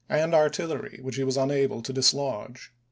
and artillery which he was unable to dislodge.